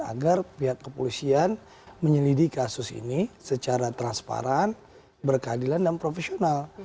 agar pihak kepolisian menyelidiki kasus ini secara transparan berkeadilan dan profesional